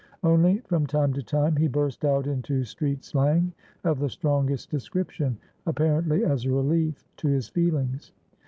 Only from time to time he burst out into street slang of the strongest description, apparently as a relief to his feelings.